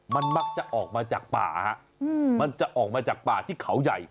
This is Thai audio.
มันมักจะออกมาจากป่าฮะมันจะออกมาจากป่าที่เขาใหญ่